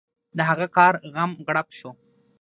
د هغه کار غم غړپ شو.